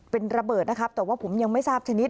เป็นระเบิดนะครับแต่ว่าผมยังไม่ทราบชนิด